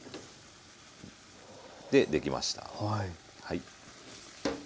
できました。